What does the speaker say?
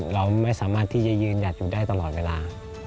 เราไม่สามารถที่จะยืนหยัดอยู่ได้ตลอดเวลา